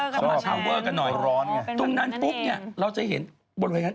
เข้ามาชาวเวอร์กันหน่อยตรงนั้นปุ๊บเนี่ยเราจะเห็นบนไว้นะ